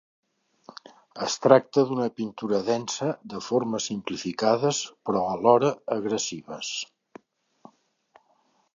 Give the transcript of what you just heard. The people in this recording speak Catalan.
Es tracta d’una pintura densa de formes simplificades però alhora agressives.